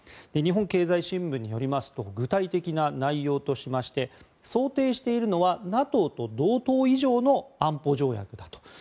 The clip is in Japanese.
日本経済新聞によりますと具体的な内容としまして想定しているのはＮＡＴＯと同等以上の安保条約だと。